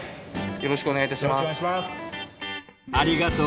よろしくお願いします。